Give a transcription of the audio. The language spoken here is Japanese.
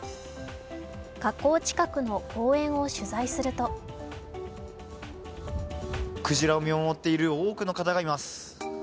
河口近くの公園を取材するとくじらを見守っている多くの方がいます。